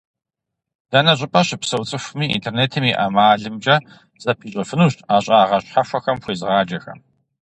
Дэнэ щӀыпӀэ щыпсэу цӀыхуми, интернетым и ӀэмалымкӀэ зыпищӀэфынущ ӀэщӀагъэ щхьэхуэхэм хуезыгъаджэхэм.